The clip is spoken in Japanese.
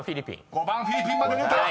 ［５番「フィリピン」まで出た。